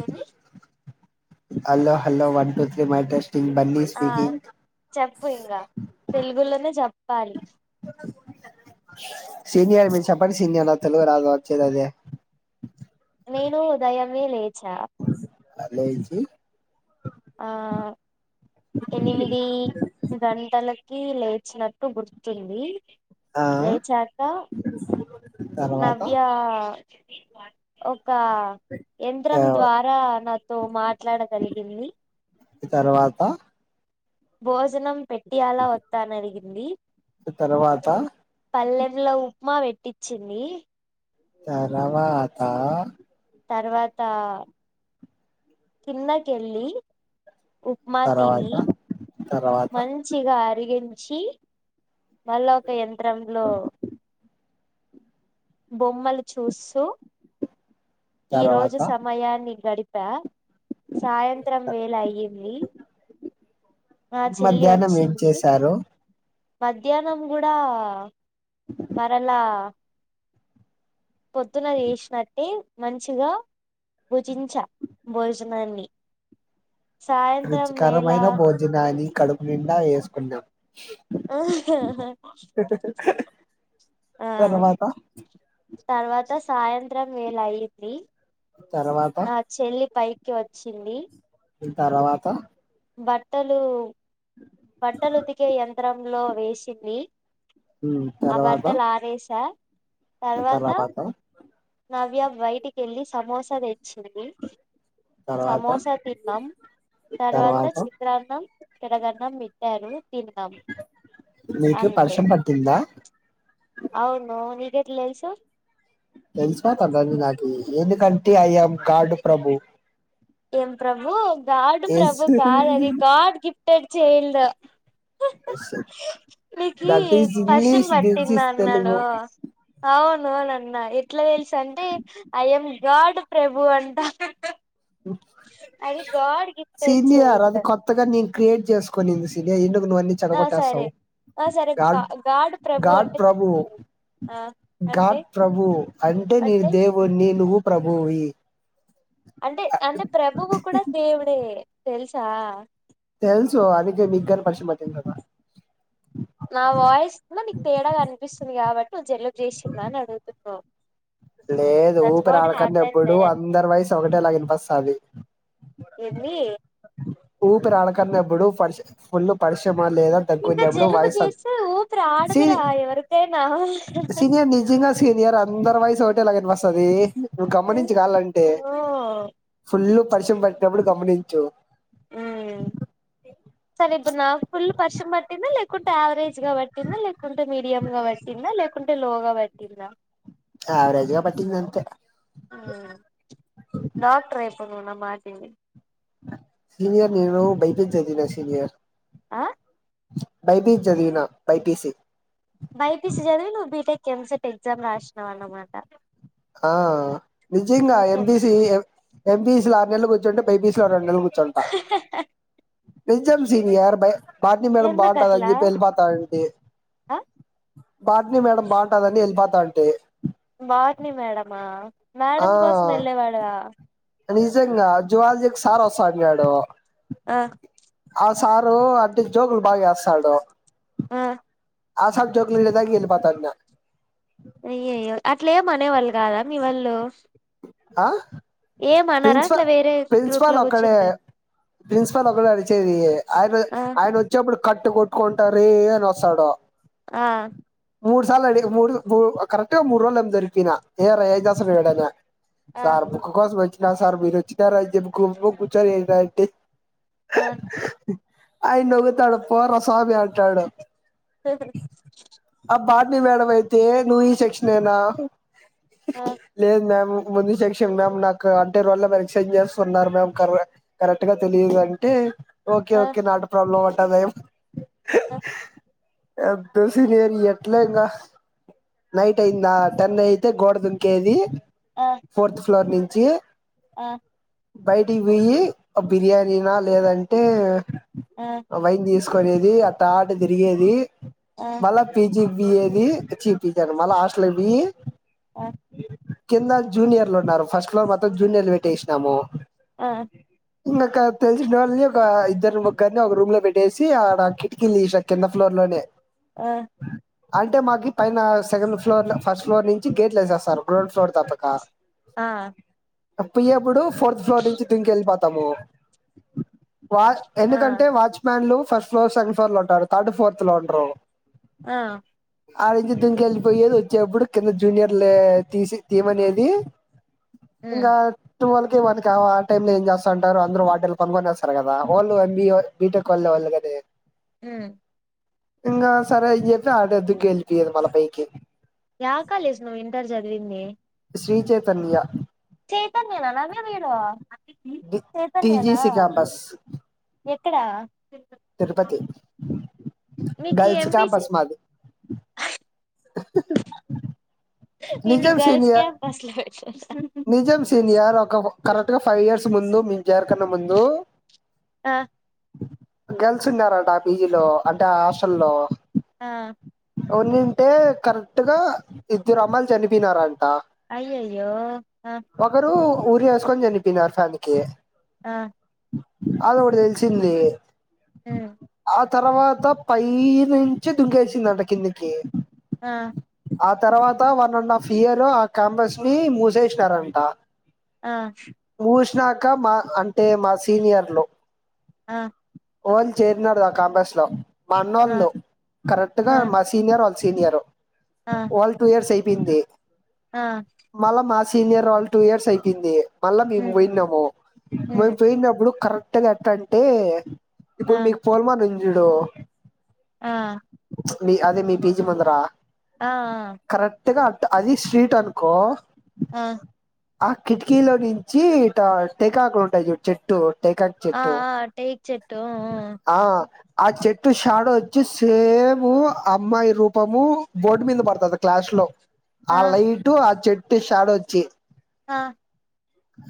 ఏవి hello hello one two three mile test ఆ చెప్పు ఇంగా తెలుగులోనే చెప్పాలి సీనియర్ మిరూచేపండి సీనియర్ నా తెలుగు రాదు వచ్చేదదే ఇప్పుడే లేచా ఆ లేచి ఆ ఎనిమిది గంటల కి లేచినట్టు గుర్తుంది ఆ లేచాక తర్వాత నవ్య ఓ క యంత్రం ఆ ద్వారా నాతో మాట్లాడగలిగింది తర్వాత భోజనం పెట్టి అలా ఒత్త అని అరిగింది తర్వాత ఉప్మా పేటించింది తరవాత తర్వాత కిందకి ఎళ్ళి ఉప్మాతిని తర్వాత తర్వాత మంచిగా అరిగించి మళ్ళా ఒక యంత్రంలో బొమ్మలు చూస్తూ ఈ రోజు తర్వాత సమయాన్ని గడి పా సాయంత్రం వేల అయ్యింది మా చెల్లి మధ్యాహ్నం ఏం ఓచ్చింది చేశారు మధ్యానం కూడా మరలా పొద్దున్న చేసినట్టే మంచిగా భుజించ భోజనాన్ని సాయంత్రం వేళ రుచికరమైన భోజనాన్ని కడుపు నిండా ఎసుకున్నావ్ ఆాా తర్వాత తర్వాత సాయంత్రం వేల అయ్యింది తర్వాత పైకి వచ్చింది మ్ తర్వాత బట్టలు బట్టలుతికే యంత్రంలో వేసింది ఆ తర్వాత బట్టలారేశ తర్వాత నవ్య బయిటికి వెళ్ళి సమోసా తెచ్చింది తర్వాత సమోసా తిన్నాం తర్వాత చిత్రాన్నం ఇక్కడ కన్నా మిట్టారు మీకి పల్షం పట్టింద అవును నీకేట్ల తెల్సు తెలిసిపోతండి నాకి ఎందుకంటే ఐఅం గాడ్ ప్రభు ఏం ప్రభు గాడ్ ఎస్ ప్రభు కాదది గాడ్ గిఫ్టేడ్ చైల్డ్ ఎస్ నీకి ఫర్షం పట్టిందా ఇస్ అన్నాడు తెలుగు అవు అవును అని అనా ఎట్లా తెలుసు అంటే ఐఅం గాడ్ ప్రభు అంట ఉమ్ అది గాడ్ గిఫ్టెడ్ సీల్ తియ్యాలి చైల్డ్ అది కొత్తదండి క్రియేట్ చేసుకోనింది సినియా ఎందుకు నువ్వు అన్ని ఆ సరే చెడగొట్టేస్తావు ఆ సరే గా గడ్ గాడ్ ప్రభు గాడ్ అంటే ప్రభూ ఆ అంటే గాడ్ ప్రభు అంటే నీను దేవున్ని నువ్వు ప్రభువు వి అంటె అంటె ప్రభువు కూడా దేవుడే తెలుసా తెలుసు అందుకే నీకన్నా ఫస్ట్ [unintelligible] నా జల్లబ్ చేసిందా అనిఅడుగుతునావ్ లేదు ఊపిరి ఆడకన్ హ్యాపెన్ అప్పుడు దేర్ అందరు వాయిస్ ఒకటేలావినిపిస్తుంది ఏంది ఊపిరాడాకనె ఎప్పుడు పడిషం ఫుల్ల్ పడిషం లేదా ఇంకా తగ్కుద్ధా అప్పుడు జలుబు వాయిస చేస్తే ఊపిరి సీ ఆడదురా ఎవరికైనా సీనియర్ నిజమే సీనియర్ అందరి వైస్ ఒకటేలాగా వినిపిస్తది నువ్వు గమనించు కావలంటే అయ్యో ఫుల్ల్ పర్షం పట్టినప్పుడు గమనించు ఊమ్ సరే ఇప్పుడు నాకు ఫుల్ పర్షం పట్టింది లేకుంటే ఆవరేజ్ గా పట్టింది లేకుంటే మీడియం గా పట్టిందా లే కుంటే లోగా పట్టిందా ఆవరజ్ గా పట్టిందంతే ఊమ్ డాక్టర్ అయిపో నువ్వు నా మాట విని సీనియర్ నేను బయటనుంచి వచ్చిన వర్షం చేయ ఆ బైపీసి చదివినా బైపీసి బైపీసి చదివి నువ్వు బీటెక్ ఎంసెట్ ఎగ్జామ్ రాసినవన్నమాట ఆ నిజంగా ఎంబీసి ఏ ఎంబీసి ఆరు నెలలు కూర్చుంటే బైపీసి రెండ్ నెలలు కూర్చుంటా నిజమ్ సీనియర్ బయ్ బాట్నీ మేడం ఎందుకట్లా బాగుందానిచెప్పి ఎల్లిపోత అంతే ఆ బోటనీ మేడం బాగుంటాదని వెళ్ళిపోతా ఉంటి బాటని మేడమా ఆ మేడం కోసం వెళ్ళేవాడ నిజంగా జూలోజి కి సార్ వస్తా అన్నాడు ఆ సారు అంటే జోకులు బాగా వేస్తాడు ఆ ఆ సార్ జోకులు వేసాక ఇగా వెళ్ళిపోతా ఇంగా అయ్యయ్యో అట్లే ఏం అనేవాళ్ళు కాదా మీ వాళ్ళు ఆ ఏం అనరా ప్రిన్సిపల్ అట్లా వేరే గ్రూప్ లో ప్రిన్సిపాల్ ఒక్కడే కూర్చుంటే ప్రిన్సిపాల్ ఒక్కడే ఆడిచ్చేది ఆయనె ఆ ఆయన వచ్చేప్పుడు కట్టు కొట్కుంటారు ఇ ఇ అని వస్తాడు ఆ మూడు సార్లు అడి మూడు మూడు కరెక్ట్ గా మూడు రోజలకు దొరికిన ఏరా ఏంచేస్తావీడాన ఆ సార్ బుక్కు కోసం వచ్చినా సార్ మీరు వచ్చినారంజెప్పి గుమ్ముగూర్చొని ఇంటాంటే ఆ ఆయన నొర్రుతండు పోరా సామీ అంటాడు ఆ బాట్నీ మేడం అయితే నువ్వూ ఈ సెక్షనేనా ఆ లేదు మ్యామ్ ముందు సెక్షన్ మ్యామ్ నాకు అంటే రోల్ నెంబర్ ఎక్స్చేంజ్ చేస్తున్నారు మ్యామ్ కర కరెక్ట్ గా తెలియదు అంటే ఓకే ఓకే నాటు ప్రాబ్లమంటాదఎం ఒకె పెద్ద సీన్యార్ ఎట్లింగా నైట్ అయిందా టెన్ అయితే గోడ దుంకేది ఫోర్త్ ఫ్లోర్ నించి ఆ బయటికి పోయి ఒ బిర్యానీనా లేదంటే ఆ వైన్ తీస్కొ కొనేది అట్ట ఆట తిరిగేది ఆ మళ్ళ ఆ పీజీ వియ్యేవీ [unintelligible] మళ్ళ హాస్టల్ ఎల్లి ఆ కింద జూనియర్లున్నారు ఫస్ట్ లో మొత్తం జూనియర్లు పెట్టేశ్నము ఆ ఇంగొక తెలిసినోల్ని ఒక ఇద్దరు ముగ్గర్ని ఒక రూమ్ లో పెట్టేసి ఆడ కిటికిల్దిస్న కింద ఫ్లోర్ లోనే ఆ అంటే మాకీ పైన సెకండ్ ఫ్లోర్ ఫస్ట్ ఫ్లోర్ నుంచి గేట్లేసేస్తారు గ్రౌండ్ ఫ్లోర్ తప్పక ఆ అప్పుయ్యప్పుడు ఫోర్త్ ఫ్లోర్ నుంచి దుంకెళ్ళిపోతాము వా ఆ ఎందుకంటే వాచ్ మ్యాన్ లు ఫస్ట్ ఫ్లోర్ సెకండ్ ఫ్లోర్ లో ఉంటారు థర్డ్ ఫోర్త్ లో ఉండ్రూ ఆ ఆడించి దుంకెళ్ళిపోయ్యేది వచ్చేప్పుడు కింద జూనియర్లే తీసి తీయమనేది ఉమ్ ఇంగా టువల్ కి వన్ కి ఆ టైమ్ లో ఏం చేస్తాంటారు అంద్రూ వాడ్డరూ బంకోనస్సరు గదా ఒళ్ళు ఎం బీ బీటెక్ వాళ్ళు లేవాలి గని ఉమ్ ఇంగా సరే ని చెప్పి ఆడ దుకెళ్లిపోయేది మళ్ళ పైకి యా కాలేజ్ నువ్ ఇంటర్ జదివింది శ్రీ చైతన్య చైతన్య నా నవ్య మీరూ చైతన్యనా టీజీసి క్యాంపస్ ఎక్కడా తిరుపతి మీకు గల్స్ ఎంపీసి క్యాంపస్ మాది ఉహహు ఇన్ని గర్ల్స్ క్యాంపస్ల నిజం సీనియర్ ఒక కరెక్ట్ గా ఫైవ్ ఇయర్స్ ముందు మీమ్ జేర్కన్నా ముందూ ఆ గర్ల్స్ ఉన్నారంట అ పీజీల్లో అంటే అ హాస్టల్లో ఆ ఒన్నింటే కరెక్ట్ గా ఇద్దరమ్మైలు చనిపోనారు ఆల్ అయ్యయ్యో ఆ ఊరి ఏస్కోని చనిపోయినరూ ఫ్యాన్కి ఆ అదోటి తెల్సింది ఉమ్ తర్వాత పై నుంచి దుంకేసిందట కిందికి ఆ ఆ తర్వాత వన్ అండ్ హాఫ్ ఇయర్ ఆ క్యాంపస్ ని మూసేస్నారంట ఆ వచ్చినాక మా అంటే మా సీనియర్లు ఆ ఒ ళ్ళు చేరినర్ గా క్యాంపస్ లో మా అన్ననోళ్ళు కరెక్ట్ గా ఆ ఆ వాళ సీనియర్ వాళ్ళు టూ ఇయర్స్ అయిపోయింది ఆహ్ మళ్ళా మా సీనియర్ వాళ్ళు టూ ఇయర్స్ అయిపోంది ఆన్ల మేం ఉమ్ పోయినాము మేం ఉమ్ పోయినప్పుడు కర ఎట్ట గట్టంటే ఇప్పుడు ఆ మీకు పోలమా రింజూడు ఆ మీ అదే మీ పీజి ముందరా ఆ ఆ గ అట్ అది స్ట్రీట్ అనుకో ఆ ఆ కిటికీలో నుంచి ఇటా టెకాకులుంటాయి చెట్టు టెకాక్ ఆ చెట్టు ఆ టేక్ చెట్టు ఉమ్, ఉమ్. ఆ ఆ చెట్టు షాడో ఓచ్చి సేము అమ్మాయి రూపము బోర్డు మీద పడుతది క్లాష్ లో ఆ లైట్ ఆ చెట్ ట్ షాడోచ్చి అ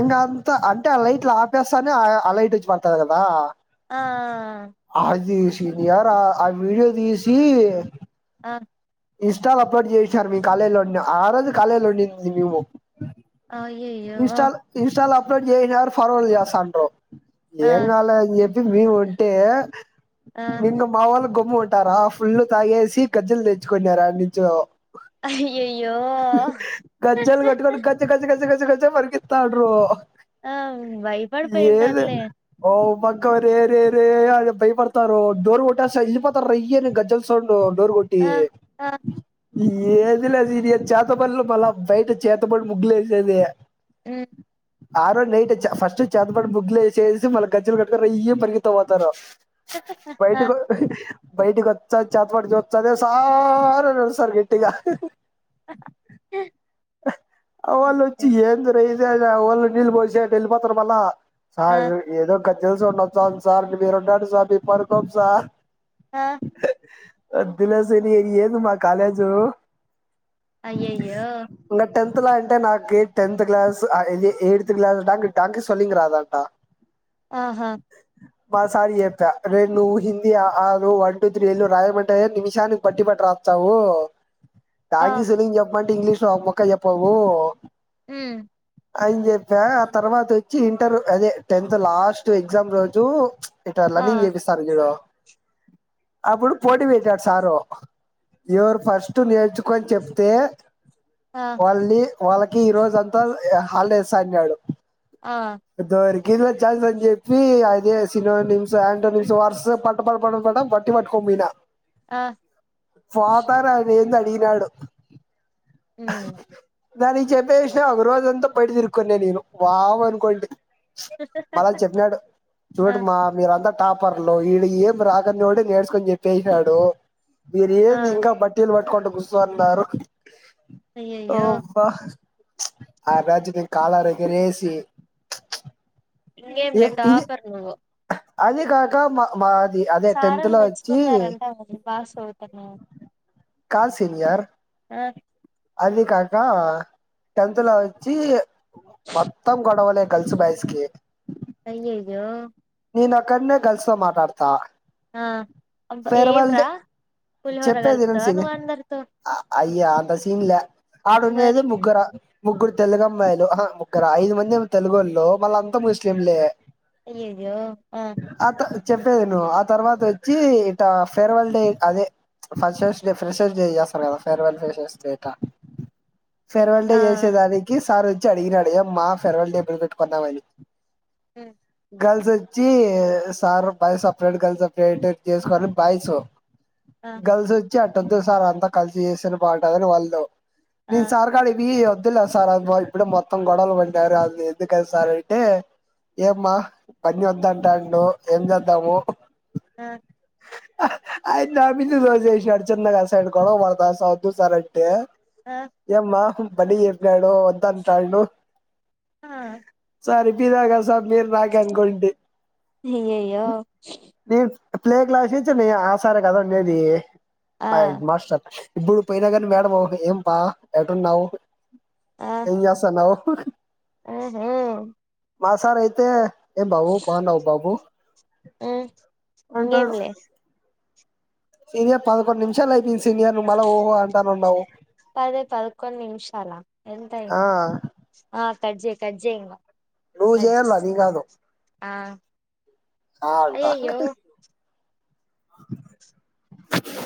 ఇంకా అంత్త అంటే ఆ లైట్లు ఆపేస్తానే ఆ లైట్ ఓచ్చి పడుతాది గదా ఆ ఆ ఆ యావరో ఆ వీడియో దీసీ ఆ ఇన్స్టాలో అప్లోడ్ జెశినారు మి కళేలో ఆ రోజు కళేలో ఉండింది మేము అయ్యయ్యో ఆ ఇన్స్టాల్ ఇన్స్టలో అప్ అప్లోడ్ జీష్ణారు ఫార్వర్డ్ జేసాండ్రు ఆ ఏం కాద్లే అని జెప్పేసి మీము ఉంటే ఆ ఇంకా మా వోళ్ళు గమ్మునుంటారా ఫుల్లు తాగేసి గజ్జల్ దెచ్చుకున్నారూ యాడ్నుంచో అయ్యయ్యో గజ్జలు కట్టుకొని గజ్జ గజ్జ గజ్జ గజ్ గజ్జ గజ్జ పరిగెత్తా ఉండ్రు ఆ ఏది భయపడిపోయింటారులే ఓ మ కరే అరే అరే అల్లుబయపడ్తారో డోర్ గొట్టాసా ఎల్లిపోతార్ రైయని గజ్జల్ సోన్ డొ డోర్ గొట్టి ఆ ఆ ఏది లేదు ఇది చాతబడ్లు బళ్ళ బయిట చేతబడి ముగ్గులేసేది మ్ ఆ రోజు నైట్ చ ఫస్ట్ చేతబడి బగ్గులేసేసి మళ్ళ గజ్జలు కట్టుకొని ర రయ్యున పరిగిత్తుకు పోతారు ఆ బయటికో బయటిక్కోచ్చా చాతపడి చూస్త అదే సా సార్ అని అరుస్తార్ గట్టిగా వాళ్ళు వచ్చి ఏందిరో ఇది అని వాళ్ళు నీళ్ళి పోసీ ఆట్టెళ్ళిపోత్రరు మళ్ళ ఆ సార్ ఏదో ఒక గజ్జల్ సౌండ్ ఓస్తాంది సార్ మీరు ఉండండి సార్ మీం పడుకోము సార్ ఆ వద్దులే శనీ ఏందీ మా కాలేజ్ అయ్యయ్యో ఇంగ టెన్త్ల అంటే నాకీ టెన్త్ క్లాస్ ఆ ఎయిడ్త్ క్లాస్ దాక ట్యాంకు స్పెల్లింగ్ రాదంట ఆహా మా సార్ జెప్పా రే నువ్ హిందీ అ ఆ లు వన్ టు త్రీ లు రాయమంటె నిమిషానికి బట్టి పట్ రా త్తావు ఆ ట్యాంకి సలింగ్ జెప్పమంట ఇంగ్లీష్ లో ఒక ముక్క చెప్పవూ మ్ అని జెప్పా తర్వాత ఓచ్చి ఇంటర్ అదే టెన్త్ లాస్ట్ ఎగ్జామ్ రోజు ఇట్టా ఆ లెర్నింగ్ జేపిస్తార ఇందులో అప్పుడు పోటీ పేట్టాడ్ సారో ఎవరు ఫస్ట్ నేర్చుకోని చెప్తే. ఆ వాళ్ల్ని వాళ్ళకీ ఈ రోజు అంతా హాలిడే ఆ [unintelligible] దోరి. గివ్ ఏ ఛాయిస్ అని చెప్పి అదే సినోనిమ్స్ ఆంటోనిమ్స్ వర్స పట్ట పట్ట పట్ట పడం బట్టి పట్టుకో యిన ఆ ఫాతర్ అదెంది అదిగినాడు మ్ దానికి చెప్పేస్నా విషయం ఒక రోజుంతా బయట తిరుకున్నా నేను వావ్ అనుకుంటి. మళ చెప్పినాడు ఆ చూడండి మా మీరంతా. టాపర్లు ఈడు ఏం రాదన్నోడే నేర్చుకొని చెప్పసినాడు పో. ఆ మీరేంది ఇంకా బట్టిల్ పెట్టుకుంటా కూసున్నారు నా. ఓ అయ్యయ్యో బా. ఆ రోజు నేను కాలర్ ఎగరేసి. ఏ ఇంకేంలే ఇది టాపే నువ్వు. అది కాక మా మాద్. సారోలు మెచ్చుకున్నారంట మరి [unintelligible] కాదు సీనియర్. అది కాక టెన్త్ లో ఓచ్చి. మొత్తం గొడవలే గర్ల్స్ బాయ్స్ కి. అయ్యో అయ్యో. నేను ఓక్కడనే గర్ల్స్తొ మాట్లాడుతున్నా. ఆహ్ అబ్బ ఏంరా చెప్పేది ఇను పులిహోరగల్పతవ సిమి నువ్వు అందరితో. అయ్యా అంత సీన్లే ఆడ ఉన్నేదే మరి ముగ్గురు. ముగ్గురు తెలుగు అమ్మాయిలు అహా ముగ్గురు ఐదు మంది తెలుగోలే మళ్ళ అంతా ముస్లింలే. అయ్యాయో ఆహ్. ఆ త చెప్పేది ఇను ఆ తర్వాత ఓచ్చి ఇట ఫేర్వెల్ డే అదే. ఫ్రషర్స్ డే ఫ్రెషర్ డే చేస్తారు కదా ఫేర్వెల్ ఫ్రెషర్స్ డేటా. ఫెర్వల్ డే ఆ చేసేదానికి సార్ ఓచ్చి అడిగినడు ఏమ్మా ఫెర్వల్డే ఎపుడు పెట్టుకుందమని. ఉమ్. గర్ల్స్ ఓచ్చి sir boys separate girls separate చేసుకోవాలి అని బాయ్స్. ఆ గర్ల్స్ ఓచ్చి అటోద్దు సార్ అంతా కలిసి చేస్తేనే బాగుంటది ఆని వాళ్ళు. ఆ నేను సార్కాడి పోయి వద్. వద్దులే సార్ అది వాల్ ఇప్పుడే మొత్తం గొడవలు పడినారు అది ఎందుకని సార్ అంటే. ఏమ్మా మాని ఒద్దు ఆన్అంటాండు ఏం జేతాము. ఆహ్. ఆ అయన్ నా మీద రివర్స చేషడు చిన్నగా సార్ గొడవ పడతారు సార్ వద్దు సార్ అంటే. ఆ ఏమ్మా మని చెప్పినాడు వద్దంటున్నాడు. ఆ సార్ ఇపిదాక సార్. మీర్ నాకనుకొని తేచ్. అయ్యయ్యో ప్లే క్లాస్ నుచ్చి నే ఆ సారే కదా ఉండేది ఆ మా హెడ్ మాస్టర్. ఇప్పుడు పోయినా గానీ మేడము ఏం పా ఎటున్నావు ఏం చేస్తునావ్. కుష్. ఆహా. మా సార్ అయితే ఏం బాబు బాగున్నావ బాబు. ఉమ్ ఇంగెం అంటాడు లే. సీనియర్ పదకొండు నిమిషాలు అయిపోయింది సీనియర్ ను మళ్ళా ఓహో అంటానే ఉన్నావు. పదే పదకొండ్ నిమిషాల ఎంత ఐంది ఆ ఆహ్ కట్ చెయ్ కట్ చెయ్. నువ్వు చేయాలే నేన్ కాదు. ఆహ్. ఆ ఉంటా